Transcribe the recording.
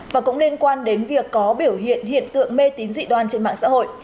và cũng liên quan đến việc có biểu hiện hiện tượng mê tín dị đoan trên mạng xã hội